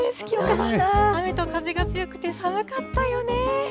きのうは雨と風が強くて寒かったよね。